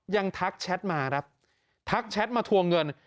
ทักแชทมาครับทักแชทมาทวงเงิน